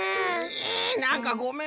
えなんかごめん。